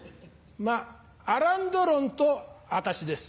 まっアラン・ドロンと私です。